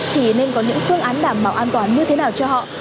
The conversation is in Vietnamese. thì nên có những phương án đảm bảo an toàn như thế nào cho họ